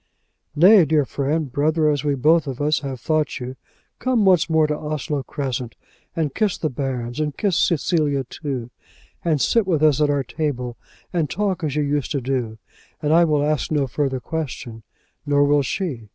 "Nay, dear friend, brother, as we both of us have thought you, come once more to Onslow Crescent and kiss the bairns, and kiss Cecilia, too, and sit with us at our table, and talk as you used to do, and I will ask no further question; nor will she.